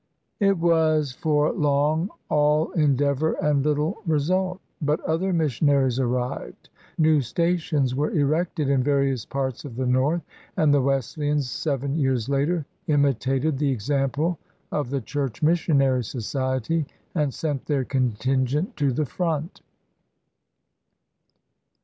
It was for long all endeavor and little result. But other missionaries arrived, new stations were erected in various parts of the north, and the Wesleyans, seven years later, imitated the example of the Church Mission ary Society, and sent their contingent to the front.